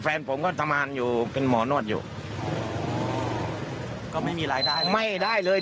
แฟนผมก็ทำงานอยู่เป็นหมอนวดอยู่ก็ไม่มีรายได้ไม่ได้เลย